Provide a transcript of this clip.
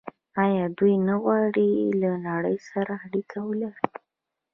آیا دوی نه غواړي له نړۍ سره اړیکه ولري؟